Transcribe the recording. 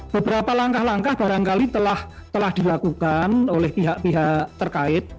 beberapa langkah langkah barangkali telah dilakukan oleh pihak pihak terkait